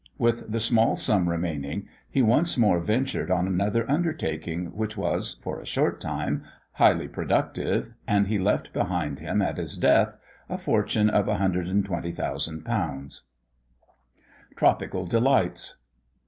With the small sum remaining, he once more ventured on another undertaking, which was, for a short time, highly productive; and he left behind him, at his death, a fortune of 120,000_l_. TROPICAL DELIGHTS.